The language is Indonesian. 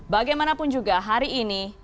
bagaimanapun juga hari ini